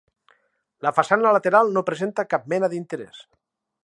La façana lateral no presenta cap mena d'interès.